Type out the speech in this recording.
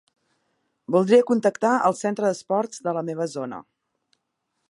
Voldria contactar al centre d'esports de la meva zona.